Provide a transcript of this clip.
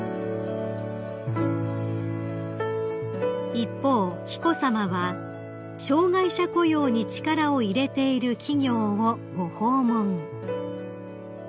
［一方紀子さまは障害者雇用に力を入れている企業をご訪問］